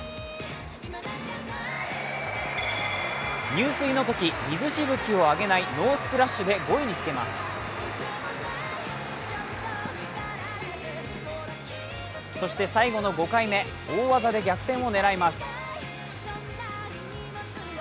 入水のとき水しぶきを上げないノースプラッシュで５位につけますそして最後の５回目大技で逆転を狙います。